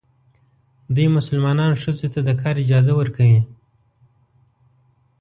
دوی مسلمانان ښځو ته د کار اجازه ورکوي.